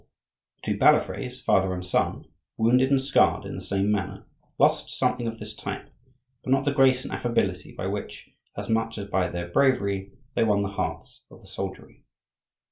The two Balafres, father and son, wounded and scarred in the same manner, lost something of this type, but not the grace and affability by which, as much as by their bravery, they won the hearts of the soldiery.